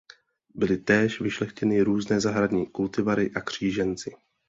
Byly též vyšlechtěny různé zahradní kultivary a kříženci.